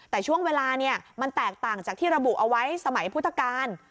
แต่ช่วงเวลามันแตกต่างจากที่ระบุเอาไว้สมัยพุทธกาล